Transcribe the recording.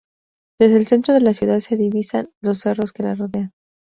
Desde el centro de la ciudad se divisan los cerros que la rodean.